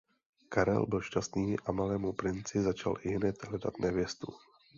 Karel byl šťastný a malému princi začal ihned hledat nevěstu.